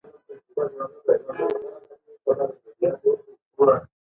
د باراني سیستم کارول زیاتېږي.